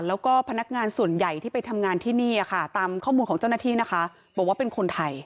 แล้วก็พนักงานส่วนใหญ่ที่ไปทำงานที่นี่ค่ะตามข้อมูลของเจ้าหน้าที่นะคะบอกว่าเป็นคนไทย